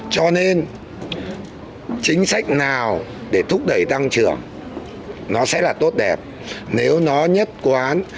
cho nên chính sách nào để thúc đẩy tăng trưởng nó sẽ là tốt đẹp nếu nó nhất quán